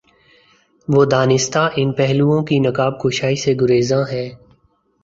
وہ دانستہ ان پہلوئوں کی نقاب کشائی سے گریزاں ہے۔